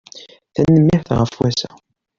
Tanemmirt ɣef wass-a.